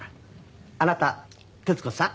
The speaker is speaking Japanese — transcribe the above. あなた徹子さん？